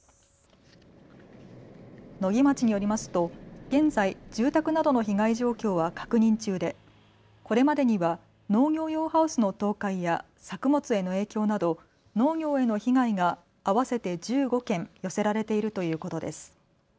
野木町によりますと現在、住宅などの被害状況は確認中でこれまでには農業用ハウスの倒壊や作物への影響など農業への被害が合わせて１５件寄せられているということです。